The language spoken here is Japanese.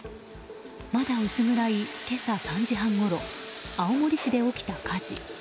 まだ薄暗い今朝３時半ごろ青森市で起きた火事。